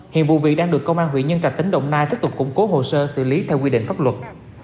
hiện vụ việc đang được công an huyện nhân trạch tỉnh đồng nai tiếp tục củng cố hồ sơ xử lý theo quy định pháp luật